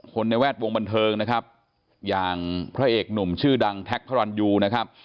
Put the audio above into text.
ในแวดวงบันเทิงนะครับอย่างพระเอกหนุ่มชื่อดังแท็กพระรันยูนะครับ